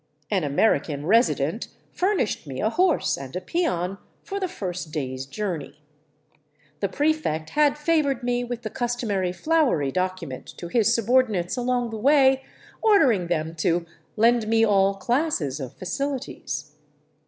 An Amer ican resident furnished me a horse and a peon for the first day's jour ney. The prefect had favored me with the customary flowery docu ment to his subordinates along the way, ordering them to " lend me all classes of facilities."